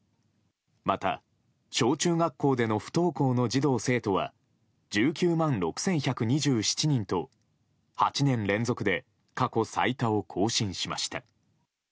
また小中学校での不登校の児童・生徒は１９万６１２７人と８年連続で過去最多を更新しました。